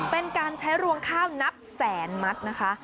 เป็นการใช้รวงข้าวนับแสนมัดนะคะ